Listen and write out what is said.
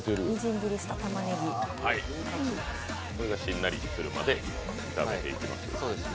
しんなりするまで炒めていきます。